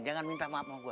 jangan minta maaf sama gue